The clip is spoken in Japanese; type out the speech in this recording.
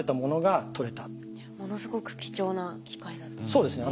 ものすごく貴重な機会だったんですね。